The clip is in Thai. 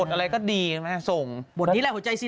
๒๕๐เสียงไม่ใช่